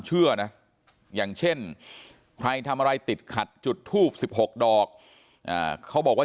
เชื่อนะอย่างเช่นใครทำอะไรติดขัดจุดทูบ๑๖ดอกเขาบอกว่า